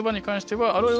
はい。